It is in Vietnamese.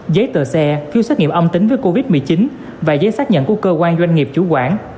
giấy tờ xe phiếu xét nghiệm âm tính với covid một mươi chín và giấy xác nhận của cơ quan doanh nghiệp chủ quản